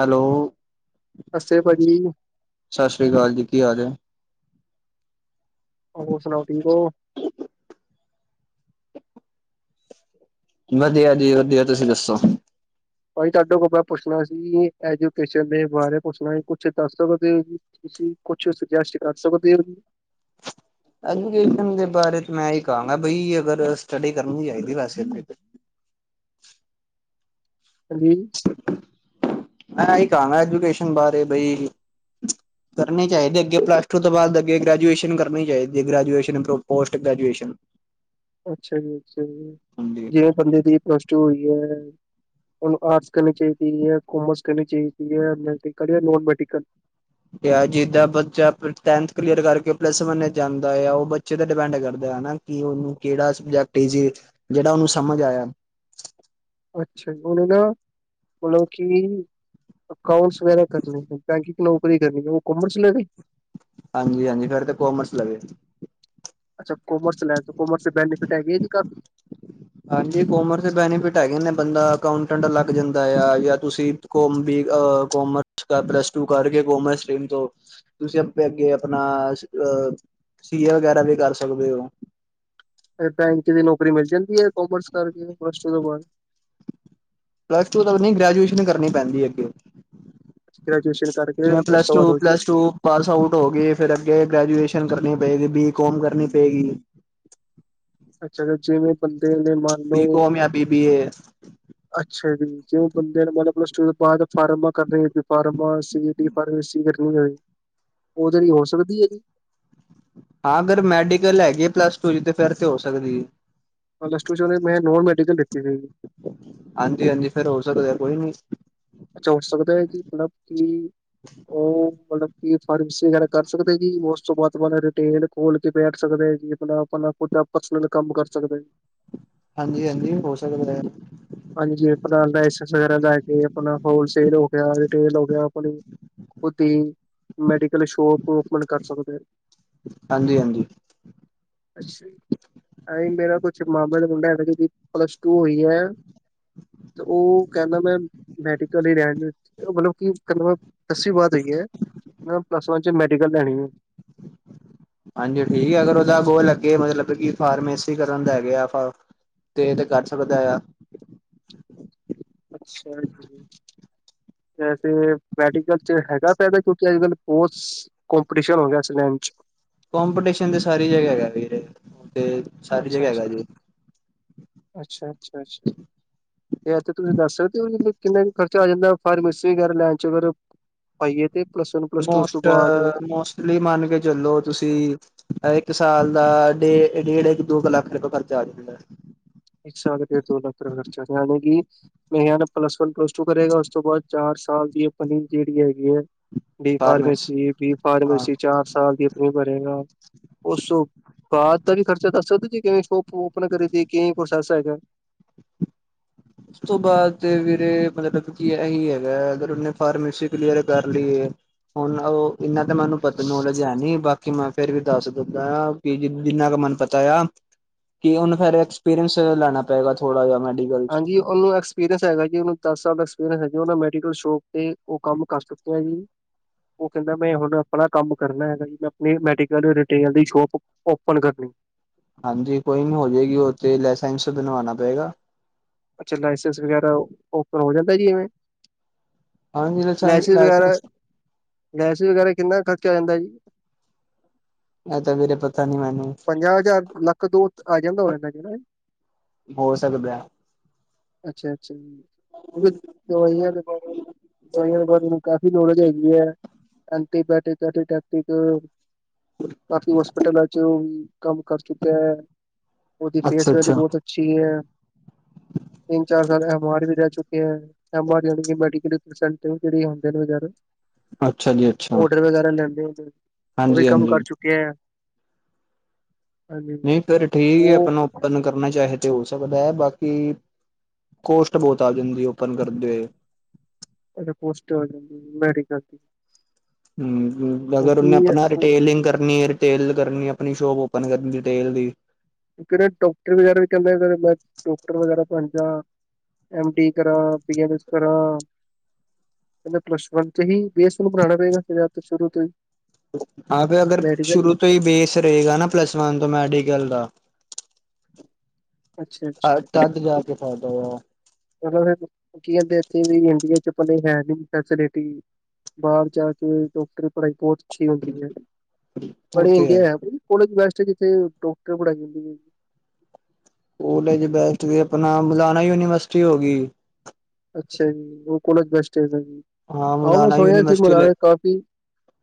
Hello, ਨਮਸਤੇ ਭਾਜੀ, ਸ਼ਸ਼ੀ ਕਾਲ ਜੀ, ਕੀ ਹਾਲ ਏ। ਹੋਰ ਸੁਣਾਓ ਠੀਕ ਹੋ। ਵਧੀਆ ਜੀ, ਵਧੀਆ ਤੁਸੀਂ ਦੱਸੋ। ਭਾਜੀ ਤੁਹਾਡੇ ਕੋਲੋਂ ਮੈ ਪੁੱਛਣਾ ਸੀ, ਐਜੂਕੇਸ਼ਨ ਦੇ ਬਾਰੇ, ਪੁੱਛਣਾ ਸੀ, ਕੁਛ ਦੱਸ ਸਕਦੇ ਹੋ। ਤੁਸੀਂ ਕੁਸ਼ ਸੂਜੈਸਟ, ਕਰ ਸਕਦੇ ਹੋ ਜੀ। ਐਜੂਕੇਸ਼ਨ ਦੇ ਬਾਰੇ ਮੈਂ ਇਹ ਕਹਾਂਗਾ ਬਈ ਅਗਰ ਸਟੱਡੀ ਕਰਨੀ ਚਾਹੀਦੀ ਵੈਸੇ ਤੇ ਹਾਂਜੀ। ਮੈਂ ਇਹੀ ਕਹਾਂਗਾ, ਐਜੂਕੇਸ਼ਨ ਬਾਰੇ ਬਈ ' [inaudible] ਕਰਨੀ ਚਾਹੀਦੀ, ਅੱਗੇ ਪਲੱਸ ਟੂ ਤੋਂ ਬਾਅਦ ਅੱਗੇ ਗ੍ਰੈਜੂਏਸ਼ਨ ਕਰਨੀ ਚਾਹੀਦੀ ਐ ਗ੍ਰੈਜੂਏਸ਼ਨ ਪੋਸਟ ਗ੍ਰੈਜੂਏਸ਼ਨ ਅੱਛਾ ਜੀ, ਅੱਛਾ ਜੀ, ਹਾਂਜੀ ਜਿਵੇ ਬੰਦੇ ਦੀ ਪਲਸ ਟੂ ਹੋਈ ਐ ਆਰਟਸ ਕਰਨੀ ਚਾਹੀਦੀ ਐ, ਕਾਮਰਸ ਕਰਨੀ ਚਾਹੀਦੀ ਐ, ਮੈਡੀਕਲ ਜਾ ਨੋਨ ਮੈਡੀਕਲ? ਜਾਂ ਜਿੱਦਾਂ ਬੱਚਾ ਟੈਨਥ ਕਲੀਅਰ ਕਰਕੇ ਪਲੱਸ ਵਨ ਜਾਂਦਾ ਆ ਉਹ ਬੱਚੇ ਤੇ ਡਿਪੈਂਡ ਕਰਦਾ ਆ ਹਨਾ। ਕਿ ਉਹਨੂੰ ਕਿਹੜਾ ਸਬਜੈਕਟ ਈਜੀ ਜਿਹੜਾ ਉਹਨੂੰ ਸਮਝ ਆਇਆ ਅੱਛਾ, ਉਹਨੇ ਨਾ ਮਤਲਬ ਕਿ ਅਕਾਊਂਟਸ ਵਗੈਰਾ ਕਰਨੇ, ਬੈਂਕਿੰਗ ਨੌਕਰੀ ਕਰਨੀ ਐ, ਉਹ ਕਮਰਸ ਲੈ ਲਈ ਹਾਂਜੀ-ਹਾਂਜੀ, ਫੇਰ ਤੇ ਕੋਮਰਸ ਲਵੇ ਅੱਛਾ, ਕੋਮਰਸ ਲੈਣ ਕੋਮਰਸ ਬੈਨੀਫਿਟ ਹੈਗੇ ਜੀ ਕਾ ਹਾਂਜੀ, ਕੋਮਰਸ ਦੇ ਬੈਨੀਫਿਟ ਹੈਗੇ ਨੇ ਬੰਦਾ ਅਕਾਊਂਟੈਂਟ ਲੱਗ ਜਾਂਦਾ ਆ ਜਾਂ ਤੁਸੀਂ ਕੋ ਬੀ ਕੋਮਰਸ ਪਲੱਸ ਟੂ ਕਰਕੇ ਕਮਰਸ ਸਿਟਰੀਮ ਤੋਂ ਤੁਸੀਂ ਆਪੇ ਅੱਗੇ ਆਪਣਾ ਅਹ- ਸੀਏ ਵਗੈਰਾ ਵੀ ਕਰ ਸਕਦੇ ਓ। ਫ ਬੈਂਕ ਵੀ ਨੌਕਰੀ ਮਿਲ ਜਾਂਦੀ ਐ ਕੋਮਰਸ ਕਰਕੇ ਪਲੱਸ ਟੂ ਤੋਂ ਬਾਅਦ ਪਲੱਸ ਟੂ ਤਾਂ ਗ੍ਰੈਜੂਏਸ਼ਨ ਕਰਨੀ ਪੈਂਦੀ ਐ ਅੱਗੇ ਗ੍ਰੈਜੂਏਸ਼ਨ ਕਰਕੇ ਜਿਵੇਂ ਉਸ ਪਲੱਸ ਤੋਂ ਟੂ, ਬਾਅਦ ਹੋ ਜੀ ਪਲੱਸ ਟੂ ਪਾਸ ਆਊਟ ਹੋ ਗਈ, ਫਿਰ ਅੱਗੇ ਗ੍ਰੈਜੂਏਸ਼ਨ ਕਰਨੀ ਪਏਗੀ ਬੀ ਕੌਮ ਕਰਨੀ ਪਏਗੀ ਅੱਛਾ, ਜਿਵੇਂ ਬੰਦੇ ਦੇ ਮੰਨ ਬੀ ਲਓ ਕੋਮ ਜਾਂ ਬੀ ਬੀ ਏ ਅੱਛਾ ਜੀ, ਜੇ ਉਹ ਬੰਦੇ ਨੇ ਮਤਲਬ ਪੱਲਸ-ਟੂ ਤੋਂ ਬਾਅਦ ਫਾਰਮਾ ਕਰ ਰਹੇ ਫਾਰਮਾ ਸੀ ਡ ਉਹ ਸੀ ਕਰਨੀ ਹੋਵੇ, ਉਹਦੇ ਲੲੀ ਹੋ ਸਕਦੀ ਐ ਜੀ। ਹਾਂ, ਅਗਰ ਮੈਡੀਕਲ ਹੈਗੀ ਐ ਪਲੱਸ-ਟੂ 'ਚ' ਤੇ ਫਿਰ ਤੇ ਹੋ ਸਕਦੀ ਐ। ਪਲੱਸ ਟੂ 'ਚ'ਉਹਨੇ ਮੈਂ ਨੋਨ ਮੈਡੀਕਲ ਲੀਤੀ ਹੋਈ ਸੀਗੀ। ਹਾਂਜੀ-ਹਾਂਜੀ ਫੇਰ ਹੋ ਸਕਦਾ ਕੋਈ ਨੀ ਅੱਛਾ ਹੋ ਸਕਦਾ ਐ ਜੀ, ਮਤਲਬ ਕਿ ਉਹ ਮਤਲਬ ਕੀ ਫਾਰਮੇਸੀ ਵਗੈਰਾ ਕਰ ਸਕਦੇ ਜੀ, ਉਸ ਤੋਂ ਬਾਅਦਬ ਰਿਟੇਲ ਖੋਲ ਕੇ ਬੈਠ ਸਕਦੇ ਆ ਜੀ ਆਪਣਾ, ਆਪਣਾ ਪਰਸਨਲ ਕੰਮ ਕਰ ਸਕਦਾ ਆ ਜੀ। ਹਾਂਜੀ-ਹਾਂਜੀ ਹੋ ਸਕਦਾ ਐ। ਹਾਂਜੀ ਆਪਣਾ, ਲਾਈਸੈਸ ਵਗੈਰਾ ਲੈ ਕੇ ਆਪਣਾ ਹੋਲਸੇਲ ਹੋ ਗਿਆ, ਰਿਟੇਲ ਹੋ ਗਿਆ ਆਪਣੀ ਖੁਦੀ ਮੈਡੀਕਲ ਸ਼ੋਪ ਓਪਨ ਕਰ ਸਕਦੇ ਓ। ਹਾਂਜੀ-ਹਾਂਜੀ। ਅੱਛਾ। ਆਈ ਮੇਰਾ ਕੁਛ ਮਾਮੇ ਦੇ ਮੁੰਡਾ ਹੈਗਾ, ਐ ਜੀਦੀ ਪਲੱਸ-ਟੂ ਹੋਈ ਹੋਈ ਐ। ਤੇ ਉਹ ਕਹਿੰਦਾ ਮੈਂ ਮੈਡੀਕਲ ਈ ਲੈਣ ਮਤਲਬ ਕਿ ਦਸਵੀਂ ਬਾਅਦ ਹੋਈ ਐ ਮਤਲਬ ਪਲੱਸ 'ਚ' ਮੈਡੀਕਲ ਲੈਣੀ ਐ। ਹਾਂਜੀ ਠੀਕ ਆ, ਅਗਰ ਉਹਦਾ ਬੋਲ ਲੱਗੇ ਮਤਲਬ ਕਿ ਫਾਰਮੇਸੀ ਕਰਨ ਦਾ ਹੈਗੇ ਆ ਤੇ ਇਹ ਕਰ ਸਕਦਾ ਆ। ਅੱਛਾ ਜੀ। ਵੈਸੇ ਮੈਡੀਕਲ 'ਚ ਹੈਗਾ ਫਾਇਦਾ। ਕਿਉਂਕਿ ਅੱਜ ਕੱਲ ਕੋਰਸ ਕੋਂਪੀਟੀਸ਼ਨ ਹੋ ਗਿਆ ਐਸ ਟਾਈਮ 'ਚ ਕੋਂਪੀਟੀਸ਼ਨ ਤੇ ਸਾਰੀ ਜਗ੍ਹਾ ਹੈਗਾ ਵੀਰੇ। ਤੇ ਸਾਰੀ ਜਗ੍ਹਾ ਹੈਗਾ ਜੀ ਅੱਛਾ-ਅੱਛਾ-ਅੱਛਾ-ਅੱਛਾ-ਅੱਛਾ। ਥ ਤੁਸੀਂ ਦੱਸ ਸਕਦੇ ਓ ਕਿੰਨਾ ਕ ਖਰਚਾ ਆ ਜਾਂਦਾ ਫਾਰਮੇਸੀ ਵਗੈਰਾ ਲੈਂਣ 'ਚ ਅਗਰ ਭਾਈ ਏ ਤੇ ਪਲੱਸ ਵਨ ਪਲੱਸ ਟੂ ਉਸ ਤੋਂ ਮੋਸਟ ਬਾਅਦ ਮੋਸਟਲੀ ਮੰਨ ਕੇ ਚਲੋ ਤੁਸੀਂ ਇੱਕ ਸਾਲ ਦਾ ਡੇ ਡੇਢ -ਦੋ ਕੁ ਲੱਖ ਰੁਪਏ ਖਰਚਾ ਆ ਜਾਂਦਾ। ਇੱਕ ਸਾਲ ਦਾ ਦੋ ਲੱਖ ਰੁਪਏ ਖਰਚ। ਜਦ ਕਿ ਜਾ ਪਲੱਸ ਵਨ, ਪਲੱਸ ਟੂ ਕਰੇ ਗਾ ਉਸ ਤੋਂ ਬਾਅਦ ਚਾਰ ਸਾਲ ਦੀ ਆਪਣੀ ਜਿਹੜੀ ਹੈਗੀ ਏ। ਡੀ ਫਾਰਮੇਸ ਫਾਰਮੇਸੀ, ਡੀ ਹਾਂ ਫਾਰਮੇਸੀ ਚਾਰ ਸਾਲ ਦੀ ਆਪਣੀ ਕਰੇਗਾ। ਉਸ ਤੋ ਬਾਅਦ ਦਾ ਵੀ ਖਰਚਾ ਦੱਸ ਸਕਦੇ ਜੀ ਕਿਵੇਂ ਸ਼ੋਪ ਓਪਨ ਕਰੇ ਦੀ ਕਿਵੇਂ ਕੁਛ ਐਸਾ ਹੈਗਾ। ਉਸ ਤੋਂ ਬਾਅਦ ਵੀਰੇ ਮਤਲਬ ਕੀ ਇਹੀ ਹੈਗਾ। ਅਗਰ ਉਹਨੇ ਫਾਰਮੇਸੀ ਕਲੀਅਰ ਕਰ ਲੀ ਹੁਣ ਉਹ ਇਨਾ ਤਾਂ ਮੈਨੂੰ ਪਤਾ ਨੋਲੇਜ ਹੈ ਨੀ ਬਾਕੀ ਮੈਂ ਫੇਰ ਵੀ ਦੱਸ ਦਿੰਨਾ ਕਿ ਜ ਜਿੰਨਾ ਕੁ ਮੈਨੂੰ ਪਤਾ ਆ ਕੀ ਉਹਨੂੰ ਫੇਰ ਐਕਸਪੀਰੀਅੰਸ ਲੈਣਾ ਪਏਗਾ ਥੋੜਾ ਜਿਹਾ ਮੈਡੀਕਲ 'ਚ ਹਾਂਜੀ ਉਹਨੂੰ ਐਕਸਪੀਰੀਅੰਸ ਹੈਗਾ ਜੀ ਉਹਨੂੰ ਦਸ ਸਾਲ ਦਾ ਐਕਸਪੀਰੀਅੰਸ ਐ ਜੀ ਉਹ ਮੈਡੀਕਲ ਸ਼ੋਪ ਤੇ ਉਹ ਕੰਮ ਕਰ ਚੁੱਕਾ ਹੈ ਜੀ। ਉਹ ਕਹਿੰਦਾ ਮੈਂ ਹੁਣ ਆਪਣਾ ਕੰਮ ਕਰਨਾ ਹੈਗਾ। ਜਿਵੇਂ ਮੈਂ ਆਪਣੀ ਮੈਡੀਕਲ ਰਿਟੇਲ ਦੀ ਸੋਪ ਓਪਨ ਕਰਨੀ। ਹਾਂਜੀ ਕੋਈ ਨੀ ਹੋ ਜਾਏਗੀ ਉਹ 'ਚ ਲਾਇਸੈਂਸ ਬਣਾਣਾ ਪਏਗਾ। ਅੱਛਾ ਲਾਇਸੈਂਸ ਵਗੈਰਾ ਓਪਨ ਹੋ ਜਾਂਦਾ ਜੀ ਐਵੇਂ। ਲਾਇਸੈਂਸ ਵਗੈਰਾ ਲੈਂੲਸ ਵਗੈਰਾ ਕਿੰਨਾ ਖਰਚਾ ਹੋ ਜਾਂਦਾ ਜੀ। [inaudible] ਇਹ ਤਾਂ ਵੀਰੇ ਪਤਾ ਨੀ ਮੈਨੂੰ [inaudible] ਪੰਜਾਹ ਹਜ਼ਾਰ, ਲੱਖ ਤੋ ਉੱਤੇ ਆ ਜਾਂਦਾ ਹੋਣਾ ਹਨਾ। ਮੈਂ ਕਹਿਣਾ ਹੋ ਸਕਦਾ। ਅੱਛਾ-ਅੱਛਾ ਜੀ [unintelligible] ਦਵਾਈਆਂ ਦੇ ਬਾਰੇ ਮੈਨੂੰ ਕਾਫ਼ੀ ਨੌਲੇਜ ਹੈਗੀ ਹੈ ਐਂਟੀਬਾਇਟਕ [unintelligible] ਕਾਫ਼ੀ ਹੋਸਪਿਟਲਾਂ 'ਚ ਵੀ ਕੰਮ ਕਰ ਚੁੱਕਿਆ ਐ। ਉਹਦੀ ਅੱਛਾ ਫੇਸ ਵਲੂੈ ਅੱਛਾ ਬਹੁਤ ਅੱਛੀ ਐ। ਤਿੰਨ ਚਾਰ ਸਾਲ ਐਵਾਰਡ ਵੀ ਰਹਿ ਚੁੱਕੇ ਆ [unintelligible] ਅੱਛਾ ਜੀ ਅੱਛਾ ਔਡਰ ਵਗੈਰਾ ਲੈਂਦੇ ਹੁੰਦੇ ਉਹ ਵੀ ਹਾਂਜੀ ਕੰਮ ਹਾਂਜੀ ਕਰ ਚੁੱਕੇ ਐ। ਨਹੀਂ ਫਿਰ ਠੀਕ ਹੀ ਉਹ ਆਪਣਾ ਓਪਨ ਕਰਨਾ ਚਾਹੇ ਤਾਂ ਹੋ ਸਕਦਾ ਐ। ਬਾਕੀ ਕੋਸਟ ਬਹੁਤ ਆ ਜਾਂਦੀ ਓਪਨ ਕਰਦੇ ਹੋਏ। ਪੋਸਟ ਆ ਜਾਂਦੀ ਮੈਡੀਕਲ ਦੀ। ਹੂੰ-ਹੂੰ ਮਗਰ ਆਪਣਾ ਕਿਉਂਕਿ ਰਿਟੇਲਿੰਗ ਕਰਨੀ ਐ। ਡਟੇਲ ਕਰਨੀ ਆਪਣੀ ਸ਼ੋਪ ਓਪਨ ਕਰਨੀ ਦੀ ਡਟੇਲ ਦੀ। ਕਿਹੜੇ ਡੋਕਟਰ ਵਗੈਰਾ ਵੀ ਕਹਿੰਦੇ ਮੈਂ ਡੋਕਟਰ ਵਗੈਰਾ ਬਣਜਾ। ਐਮ ਟੀ ਕਰਾ, ਪੀ ਐਮ ਐੱਸ ਕਰਾਂ। ਇਕੱਲਾ ਪਲੱਸ ਵਨ 'ਚ ਹੀ ਬੇਸ ਨੂੰ ਬਣਾਣਾ ਪਏਗਾ ਫੇਰ ਸ਼ੁਰੂ ਤੋਂ ਹੀ ਹਾਂ ਫੇਰ ਅਗਰ ਮੈਡੀਕਲ ਸ਼ੁਰੂ ਤੋਂ ਹੀ ਬੇਸ ਰਹੇਗਾ ਨਾ ਪਲੱਸ ਵਨ ਤੋ ਮੈਡੀਕਲ ਦਾ ਅੱਛਾ ਹਾ ਅੱਛਾ ਤਦ ਜਾਕੇ ਫਾਇਦਾ ਹੋਏ ਗਾ ਉਹ ਮਤਲ ਕੀ ਆਂਦੇ ਇੱਥੇ ਵੀ ਇੰਡੀਆ 'ਚ ਪਲੇ ਹੈਨੀ ਫੈਸਿਲਿਟੀ ਬਾਹਰ ਜਾ ਕੇ ਡਾਕਟਰੀ ਪੜ੍ਹਾਈ ਬਹੁਤ ਅੱਛੀ ਹੁੰਦੀ ਐ ਉਹ ਆਪਣੇ ਤੇ ਹੈ ਇੰਡੀਆ ਐ ਕੋਲੇਜ ਬੈਸਟ ਜਿੱਥੇ ਡਾਕਟਰ ਪੜ੍ਹਾਈ ਜਾਂਦੀ ਐ। ਕੋਲਜ ਬੈਸਟ ਜੀ ਆਪਣਾ ਲੁਧਿਆਣਾ ਯੂਨੀਵਰਸਿਟੀ ਹੋ ਗਈ। ਅੱਛਾ ਜੀ, ਉਹ ਕੋਲਜ ਬੈਸਟ ਏ। ਹਾਂ ਆਓ ਨਾ ਮੁਲਾਨਾ ਸੋਇ ਸੀ ਯੂਨੀਵਰਸਿਟੀ ਲ ਮਲਾਣੇ ਕਾਫੀ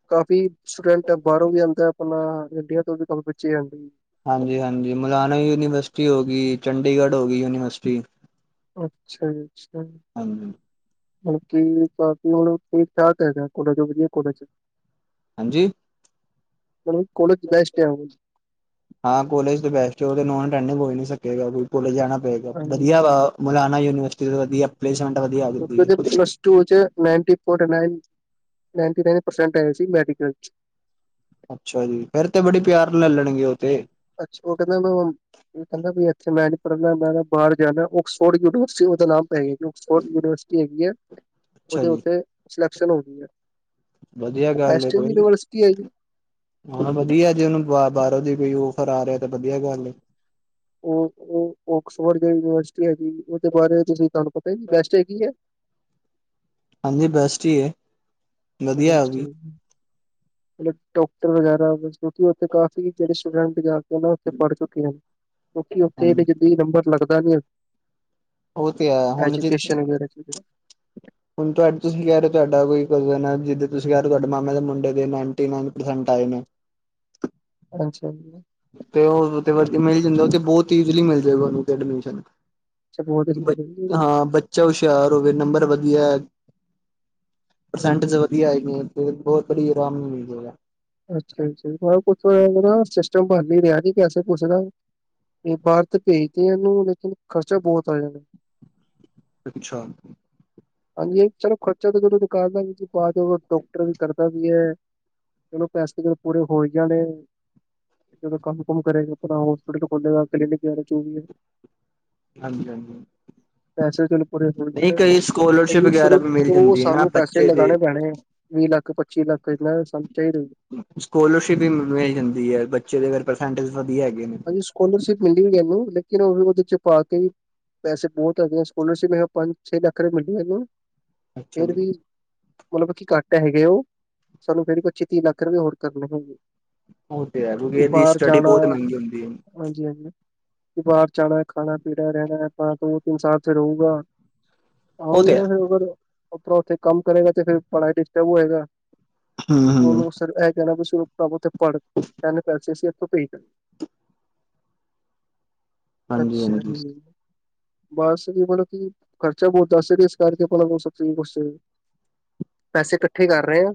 ਕਾਫ਼ੀ ਸਟੂਡੈਂਟ ਬਾਹਰੋਂ ਵੀ ਆਉਂਦਾ ਆਪਣਾ ਇੰਡੀਆ ਤੋਂ ਵੀ ਕਾਫ਼ੀ ਬੱਚੇ ਆਂਦੇ ਜੀ। ਹਾਂਜੀ, ਹਾਂਜੀ ਮੌਲਾਨਾ ਯੂਨੀਵਰਸਿਟੀ ਹੋ ਗਈ, ਚੰਡੀਗੜ੍ਹ ਹੋ ਗਈ ਯੂਨੀਵਰਸਿਟੀ। ਅੱਛਾ ਜੀ ਅੱਛਾ ਹਾਂਜੀ ਬਾਕੀ ਬਾਕੀ ਮਤਲਬ ਹੁਣ ਠੀਕ- ਠਾਕ ਹੈਗਾ ਕੋਲੇ ਚ ਵਧੀਆ ਕੋਲਜ਼ 'ਚ ਹਾਂਜੀ। ਮਤਲਬ, ਕੋਲੇਜ 'ਚ ਬੈਸਟ ਹੈ ਆ। ਹਾਂ ਕੋਲੇਜ ਤੇ ਬੈਸਟ ਆ ਉਹਦੇ ਨੋਂਨ ਅਟੈਡਿੰਗ ਹੋ ਨੀ ਸਕੇਗਾ ਕੋਈ ਕੋਲੇਜ ਜਾਣਾ ਹਾਂਜੀ। ਵਧੀਆ ਮਲਾਨਣਾ ਯੂਨੀਵਰਸਿਟੀ ਵਧੀਆ ਪਲੇਸਮੈਂਟ ਵਧੀਆ ਉਹਦੀ। ਉਹ'ਚ'ਨੈਇਟੀ ਪੋਂਟ ਨਾਇਨ ਨਾਇਟੀ ਪਰਸੈਟੀਜ ਆ ਸੀ, ਮੈਡੀ ਅੱਛਾ ਜੀ, ਫੇਰ ਤੇ ਬੜੇ ਪਿਆਰ ਨਾਲ ਲੈ ਲੈਣਗੇ ਉਥੇ ਅੱਛਾ ਉਹ ਕਹਿੰਦਾ ਮ [inaudible] ਕਹਿੰਦਾ ਵੀ ਇੱਥੇ ਮੈਂ ਨੀ ਪੜ੍ਹਨਾ ਮੈਂ ਨਾ ਬਾਹਰ ਜਾਣਾ ਉਕਸਫੋਰਡ ਯੂਨੀਵਰਸਿਟੀ ਉਹਦਾ ਨਾਮ ਤਾਂ ਹੈਗਾ ਕਿ ਉਕਸਫੋਰਡ ਯੂਨੀਵਰਸਿਟੀ ਹੈਗੀ ਹੈ [inaudible] ਅੱਛਾ ਉਹਦੇ ਜੀ ਉੱਤੇ ਸਿਲੈਕਸ਼ਨ ਹੋਈ ਵੀ ਵਧੀਆ ਗੱਲ ਹੈ [inaudible] ਕੋਈ ਨੀ। ਰਿਵਰਸ ਹੈ ਜੀ। ਹਾਂ ਵਧੀਆ ਜੇ ਉਹਨੂੰ ਬਾਹਰੋਂ ਦੀ ਕੋਈ ਔਫਰ ਆ ਰਿਹਾ ਤੇ ਵਧੀਆ ਗੱਲ ਉਹ ਓਕਸਫੋਰਡ ਜਿਹੜੀ ਯੂਨੀਵਰਸਿਟੀ ਹੈਗੀ ਉਹਦੇ ਬਾਰੇ ਤੁਸੀਂ ਤੁਹਾਨੂੰ ਪਤਾ ਹੈ ਜੀ ਬੈਸਟ ਹੈਗੀ ਹੈ। ਹਾਂਜੀ ਬੈਸਟ ਈ ਹੈ। ਵਧੀਆ ਉਹ ਵੀ [unintelligible] ਮਤਲਬ ਡਾਕਟਰ ਵਗੈਰਾ ਕਿਉਂਕਿ ਉੱਥੇ ਕਾਫ਼ੀ ਜਿਹੜੇ ਸਟੂਡੈਂਟ ਜਾ ਕੇ ਨਾ ਉੱਥੇ ਪੜ੍ਹ ਚੁੱਕੇ ਆ। [inaudible] ਕਿਉਕਿ ਉੱਥੇ ਵੀ ਜਲਦੀ ਨੰਬਰ ਲੱਗਦਾ ਨੀ ਆ ਉਹ ਤੇ ਹੈ [inaudible] ਹੁਣ ਜੇ ਐਜੂਕੇਸ਼ਨ ਵਗੈਰਾ ਚ ਹੁਣ ਤੁਹਾਡੇ ਤੁਸੀਂ ਕਹਿ ਰਹੇ ਹੋ ਤੁਹਾਡਾ ਕੋਈ ਕਜ਼ਨ ਆ ਜਿੱਦਾਂ ਤੁਸੀਂ ਕਹਿ ਰਹੇ ਤੁਹਾਡੇ ਮਾਮੇ ਦੇ ਮੁੰਡੇ ਦੇ ਨਾਈਨਟੀ ਨਾਈਨ ਪਰਸੈਂਟ ਆਏ ਨੇ ਅੱਛਾ ਜੀ। ਤੇ ਉਹ ਵਧੀਆ ਮਿਲ ਜਾਂਦਾ ਬਹੁਤ ਈਜ਼ਲੀ ਮਿਲ ਜਾਗਾ ਉਹਨੂੰ ਤਾਂ ਐਡਮਿਸ਼ਨ। ਹਾਂ ਬੱਚਾ ਹੁਸ਼ਿਆਰ ਹੋਵੇ ਨੰਬਰ ਵਧੀਆ। ਪਰਸੈਂਟਜ ਵਧੀਆ ਆ ਬਹੁਤ ਬੜੀ ਆਰਾਮ ਮਿਲ ਜਾਏਗਾ। ਅੱਛਾ- ਅੱਛਾ ਹੋਰ ਕੁੱਛ ਹੋਇਆ ਸਿਸਟਮ ਬਣ ਨੀਂ ਰਿਹਾ ਪੈਸੇ -ਪੂਸੇ ਦਾ ਇਹ ਬਾਹਰ ਤੇ ਭੇਜਦੇ ਇਹਨੂੰ ਲੇਕਿਨ ਖਰਚਾ ਬਹੁਤ ਆ ਜਾਣਾ। ਅੱਛਾ। ਹਾਂਜੀ ਇਹ ਚਲੋ ਖਰਚਾ ਤਾਂ ਜਦੋਂ ਦੁਕਾਨਦਾਰ ਵੀ ਤੁ ਪਾ ਜਾਓ ਡਾਕਟਰ ਵੀ ਕਰਦਾ ਵੀ ਹੈ‌। ਚਲੋ ਪੈਸੇ ਤੇ ਜਦੋਂ ਪੂਰੇ ਹੋਈ ਜਾਣੇ ਐ। ਜਦੋਂ ਕੰਮ- ਕੁਮ ਕਰੇਗਾ ਆਪਣਾ ਹੋਸਪੀਟਲ ਖੋਲੇਗਾ ਕਲੀਨਿਕ ਵਗੈਰਾ [unintelligible] ਹੈ। ਹਾਂਜੀ ਹਾਂਜੀ [inaudible] ਪੈਸੇ ਚਲ ਪੂਰੇ ਹੋ ਨਹੀਂ ਜਾਣੇ। ਕਈ ਸਕੋਲਰਸ਼ਿਪ ਵਗੈਰਾ ਸ਼ੁਰੂ ਵੀ ਮਿਲ ਤੋਂ ਜਾਂਦੀ ਹੈ ਨਾ ਸਾਨੂੰ ਪੈਸੇ ਬੱਚੇ ਦੇ ਲਗਾਉਣੇ ਪੈਣੇ ਹੈ ਵੀਹ ਲੱਖ -ਪੱਚੀ ਲੱਖ ਇਹਨਾ ਸਾਨੂੰ ਚਾਹੀਦਾ। ਸਕਾਲਰਸ਼ਿੱਪ ਵੀ ਮਿਲ ਜਾਂਦੀ ਹੈ ਬੱਚੇ ਦੇ ਅਗਰ ਪ੍ਰਸੈਂਟੇਜ ਵਧੀਆ ਹੈਗੇ ਨੇ। ਹਾਂਜੀ ਸਕੋਲਰਸ਼ਿਪ ਮਿਲੀ ਇਹਨੂੰ ਲੇਕਿਨ ਉਹਦੇ ਚ ਪਾ ਕੇ ਪੈਸੇ ਬਹੁਤ ਹੈਗੇ ਆ ਸਕੋਲਰਸ਼ਿਪ ਪੰਜ-ਛੇ ਲੱਖ ਰੁਪਏ ਮਿਲਦੀ ਇਹੂੰ ਅੱਛਾ ਫਿਰ ਜੀ ਵੀ ਮਤਲਬ ਬਾ ਘੱਟ ਹੈਗੇ ਆ ਉਹ ਸਾਨੂੰ ਕਹਿੰਦੇ ਪੱਚੀ-ਤੀਹ ਲੱਖ ਰੁਪਏ ਹੋਰ ਕਰਨੇ ਹੈਗੇ। ਉਹ ਤੇ ਹੈ ਗੁਡੀਆਂ ਦੀ ਸਟੱਡੀ ਬਹੁਤ ਮਹਿੰਗੀ ਹੁੰਦੀ ਐ। ਹਾਂਜੀ-ਹਾਂਜੀ ਤੇ ਬਾਹਰ ਜਾਣਾ ਖਾਣਾ- ਪੀਣਾ ਰਹਿਣਾ ਤਾਂ ਦੋ-ਤਿੰਨ ਸਾਲ ਇੱਥੇ ਰੂਗਾ ਆ ਵੀ ਤੇ ਹੈ ਉਹਦਾ ਫੇਰ ਉਹ ਕਰੋ ਆਪਣੇ ਉੱਥੇ ਕੰਮ ਕਰੇਗਾ ਤੇ ਫਿਰ ਪੜ੍ਹਾਈ ਡਿਸਟਰਬ ਹੋਏਗਾ। ਹੂੰ ਹੂੰ ਉਹਨੂੰ ਸਿਰ ਬਸ ਤੂੰ ਉਥੇ ਪੜ ਇਹਨੇ ਪੈਸੇ ਸੀ ਇੱਥੋਂ ਪੇਜ ਗੇ ਹਾਂਜੀ ਅੱਛਾ ਹਾਂਜੀ ਜੀ ਬਸ ਇਹ ਮਤਲਬ ਕਿ ਖਰਚਾ ਬਹੁਤ ਦੱਸ ਇਸ ਕਰਕੇ ਆਪਣੇ ਬ ਤੁਸੀ ਕੁਛ ਪੈਸੇ ਇਕੱਠੇ ਕਰ ਰਹੋ ਓ।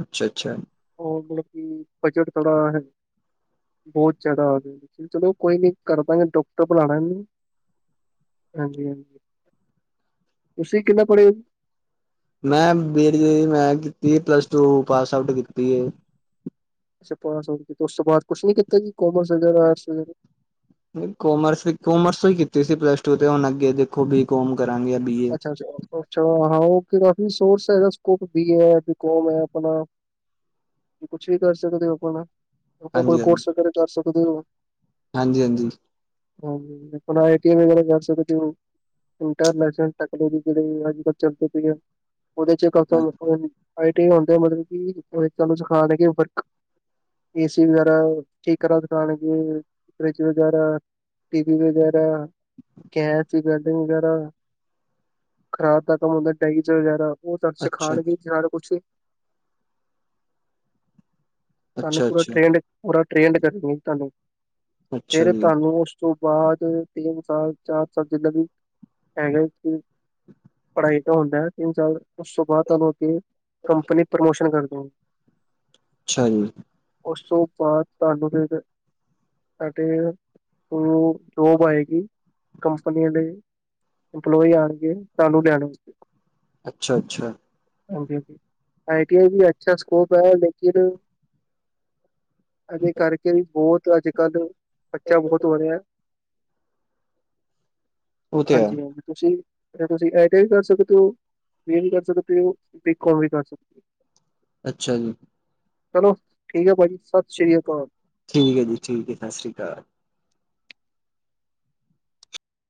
ਅੱਛਾ ਅੱਛਾ। ਉਹ ਮਤਲਬ ਕਿ ਬਜਟ ਥੋੜਾ। ਬਹੁਤ ਜ਼ਿਆਦਾ ਆ। ਚਲੋ ਕੋਈ ਨੀ ਕਰਦਾਂਗੇ ਡਾਕਟਰ ਬੁਲਾਣਾ ਹਾਂਜੀ-ਹਾਂਜੀ। ਤੁਸੀਂ ਕਿੰਨਾ ਪੜ੍ਹੇ ਓ? ਮੈਂ ਬੀ ਮੈਂ ਕੀਤੀ ਪਲੱਸ ਟੂ ਪਾਸ ਆਊਟ ਕੀਤੀ ਏ। ਅੱਛਾ। ਪਾਸ ਆਊਟ ਕੀਤੀ ਏ ਉਸ ਤੋਂ ਬਾਅਦ ਕੁਛ ਨੀ ਕੀਤਾ ਜੀ ਕੋਮਰਸ ਵਗੈਰਾ ਆਰਟਸ ਵਗੈਰਾ। ਨਹੀਂ ਕੋਮਰਸ ਵੀ ਕੋਮਰਸ ਤੋਂ ਹੀ ਕੀਤੀ ਸੀ ਪਲੱਸ ਟੂ ਤੇ ਹੁਣ ਅੱਗੇ ਦੇਖੋ ਬੀ ਕੋਮ ਕਰਾਂਗੇ ਬੀ ਏ ਅੱਛਾ ਹਾਂ। ਕਾਫੀ ਸੋਰਸ ਹੈਗਾ ਬੀ ਏ, ਬੀ ਕਾਮ ਆਪਣਾ। ਕੁਛ ਵੀ ਕਰ ਸਕਦੇ ਹੋ ਆਪਣਾ। ਆਪਾਂ ਕੋਈ ਹਾਂਜੀ ਕੋਰਸ ਵਗੈਰਾ ਕਰ ਸਕਦੇ ਹੋ। ਹਾਂਜੀ-ਹਾਂਜੀ। ਹਾਂਜੀ ਆਪਣਾ ਆਈ ਟੀ ਆਈ ਵਗੈਰਾ ਕਰ ਸਕਦੇ ਹੋ ਇੰਟਰਨੈਸ਼ਨਲ। ਟੈਕਨਾਲੋਜੀ ਅੱਜ-ਕੱਲ੍ਹ ਚੱਲਦੇ ਪਏ ਏ। ਉਹਦੇ ਕ- ਆਈ ਟੀ ਹੁੰਦੇ ਮਤਲਬ ਕਿ ਤੁਹਾਨੂੰ ਸਿਖਾ ਦੇ ਕੇ ਵਰਕ ਏਸੀ ਵਗੈਰਾ ਠੀਕ ਕਰਨ ਸਿਖਾਣਗੇ, ਫਰਿਜ ਵਗੈਰਾ। ਟੀ ਵੀ ਵਗੈਰਾ, ਗੈਚ ਬਲਡਿੰਗ ਵਗੈਰਾ। ਖ਼ਰਾਬ ਦਾ ਕੰਮ ਹੁੰਦਾ ਡੈਈਜ਼ ਵਗੈਰਾ ਉਹ ਸਾਨੂੰ ਅੱਛਾ ਸਿਖਾਣਗੇ ਸਾਰਾ ਕੁਛ ਹੀ। ਤੁਹਾਨੂੰ ਅੱਛਾ ਪੂਰਾ ਅੱਛਾ ਟ੍ਰੇਡ ਪੂਰਾ ਟ੍ਰੇਡ ਕਰਨਗੇ ਤੁਹਾਨੂੰ। ਅੱਛਾ ਫਿਰ ਜੀ ਤੁਹਾਨੂੰ ਉਸ ਤੋਂ ਬਾਅਦ ਤਿੰਨ ਸਾਲ ਚਾਰ ਸਾਲ ਜਿਦਾਂ ਵੀ ਹੈਗੇ ਪੜ੍ਹਾਈ ਤਾਂ ਹੁੰਦਾ ਏ, ਤਿੰਨ ਸਾਲ ਉਸ ਤੋਂ ਬਾਅਦ ਤੁਹਾਨੂੰ ਅੱਗੇ। ਕੰਪਨੀ ਪ੍ਰਮੋਸ਼ਨ ਕਰਦੀ ਨੇ। ਅੱਛਾ ਜੀ। ਉਸ ਤੋਂ ਬਾਅਦ ਤੁਹਾਨੂੰ ਜ ਸਾਡੇ ਉਹ ਜੋਬ ਆਏਗੀ ਕੰਪਨੀ ਨੇੜੇ ਇੰਪਲੋਈ ਆਣਗੇ ਤੁਹਾਨੂੰ ਲੈਣੇ ਵਾਸਤੇ। ਅੱਛਾ-ਅੱਛਾ। ਹਾਂਜੀ-ਹਾਂਜੀ ਆਈ ਟੀ ਆਈ ਵੀ ਅੱਛਾ ਸਕਕੋਪ ਏ ਲੇਕਿਨ। ਇਹਦੇ ਕਰਕੇ ਵੀ ਬਹੁਤ ਅੱਜ-ਕੱਲ੍ਹ ਬੱਚਾ ਬਹੁਤ ਵਧਿਆ। ਉਹ ਤੇ ਹੈ ਹਾਂਜੀ-ਹਾਂਜੀ। ਤੁਸੀਂ ਤੁਸੀਂ ਆਈਟੀ ਵੀ ਕਰ ਸਕਦੇ ਹੋ, ਬੀ ਏ ਵੀ ਕਰ ਸਕਦੇ ਹੋ, ਬੀਕਮ ਵੀ ਕਰ ਸਕਦੇ ਹੋ। ਅੱਛਾ ਜੀ। ਚਲੋ ਠੀਕ ਏ ਭਾਜੀ, ਸਤਿ ਸ੍ਰੀ ਅਕਾਲ। ਠੀਕ ਏ ਜੀ ਠੀਕ ਏ। ਸਸ਼੍ਰੀ ਅਕਾਲ।